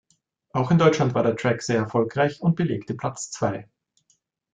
Auch in Deutschland war der Track sehr erfolgreich und belegte Platz zwei.